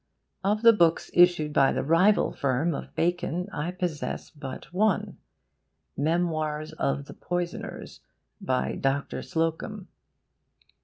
Of the books issued by the rival firm of Bacon I possess but one: MEMOIRS OF THE POISONERS, by DR. SLOCUM.